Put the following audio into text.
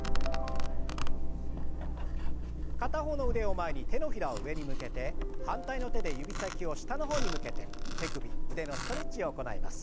片方の腕を前に手のひらを上に向けて反対の手で指先を下の方に向けて手首腕のストレッチを行います。